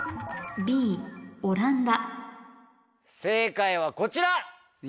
正解はこちら！